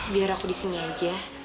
biar aku disini aja